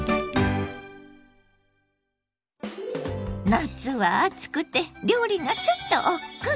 夏は暑くて料理がちょっとおっくう。